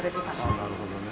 なるほどね。